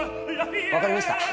わかりました。